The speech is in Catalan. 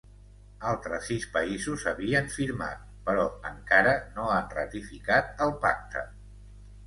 Altres sis països havien firmat, però encara no han ratificat el Pacte.